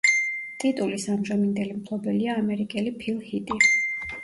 ტიტულის ამჟამინდელი მფლობელია ამერიკელი ფილ ჰიტი.